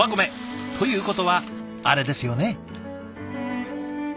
ということはあれですよね？